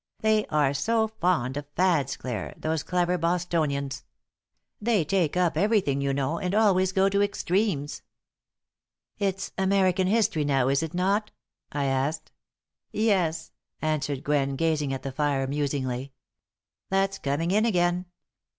They are so fond of fads, Clare, those clever Bostonians! They take up everything, you know, and always go to extremes." "It's American history now, is it not?" I asked. "Yes," answered Gwen, gazing at the fire musingly. "That's coming in again.